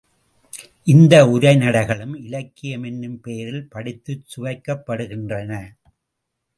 இந்த உரைநடைகளும் இலக்கியம் என்னும் பெயரில் படித்துச் சுவைக்கப்படுகின்றன.